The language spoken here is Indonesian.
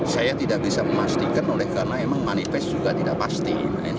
saya tidak bisa memastikan karena memang manifest juga tidak pasti